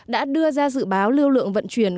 đã đưa ra dự báo lưu lượng vận chuyển